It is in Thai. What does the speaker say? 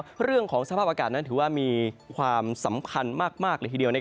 เรื่องของสภาพอากาศนั้นถือว่ามีความสำคัญมากเลยทีเดียว